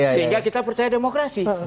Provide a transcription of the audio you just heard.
sehingga kita percaya demokrasi